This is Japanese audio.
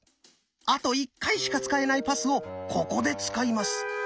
あと１回しか使えないパスをここで使います。